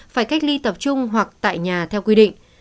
phải cách ly tập trung hoặc tại nhà theo quy định